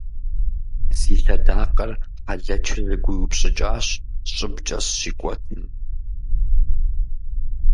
Си лъэдакъэр хьэлэчу зэгуиупщӏыкӏащ щӏыбкӏэ сщикӏуэтым.